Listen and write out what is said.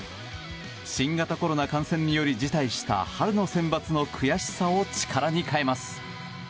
新型コロナ感染により辞退した春のセンバツの悔しさを力に変えます。